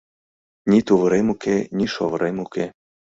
Ни тувырем уке, ни шовырем уке